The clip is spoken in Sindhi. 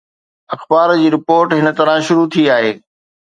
اخبار جي رپورٽ هن طرح شروع ٿي آهي